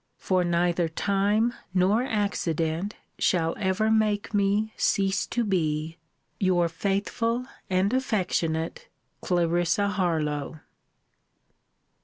For neither time nor accident shall ever make me cease to be Your faithful and affectionate CLARISSA HARLOWE.